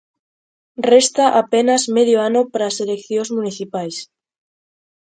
Resta apenas medio ano para as eleccións municipais.